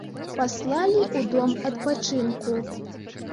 Паслалі ў дом адпачынку.